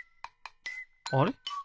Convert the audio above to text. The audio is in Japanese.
あれ？